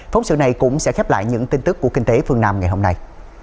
phóng sự này cũng sẽ khép lại những tin tức của kinh tế phương nam ngày hôm nay